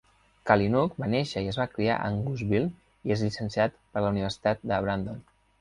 Kalynuk va néixer i es va criar a Angusville i és llicenciat per la Universitat de Brandon.